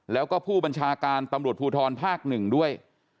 แล้วก็ผู้บัญชาการตำรวจภูทรภาค๑ด้วย